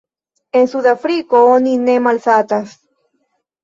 En Sudafriko oni ne malsatas.